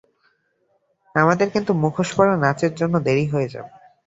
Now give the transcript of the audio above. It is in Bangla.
আমাদের কিন্তু মুখোশ পরা নাচের জন্য দেরি হয়ে যাবে।